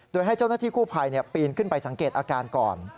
โดยให้เจ้าหน้าที่กู้ภัยปีนขึ้นไปสังเกตอาการก่อน